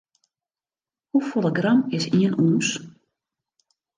Hoefolle gram is ien ûns?